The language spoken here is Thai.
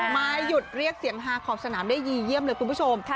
มาหยุดเรียกเสียงฮาขอบสนามได้ยีเยี่ยมเลยคุณผู้ชม